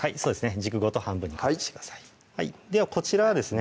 軸ごと半分にカットしてくださいではこちらはですね